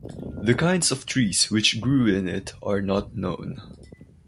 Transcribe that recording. The kinds of trees which grew in it are not known.